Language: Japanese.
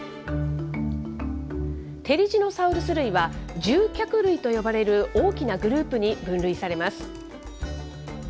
テリジノサウルス類は、獣脚類と呼ばれる大きなグループに分類されます。